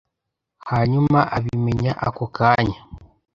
hanyuma abimenya ako kanya